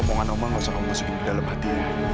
omongan oma gak usah kamu masukin ke dalam hati